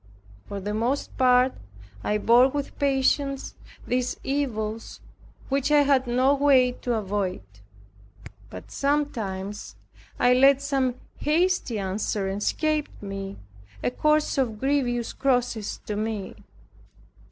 For the most part I bore with patience these evils which I had no way to avoid. But sometimes I let some hasty answer escape me, a source of grievous crosses to me.